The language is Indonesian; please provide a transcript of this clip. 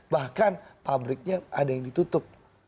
bahkan pabriknya ada yang ditutup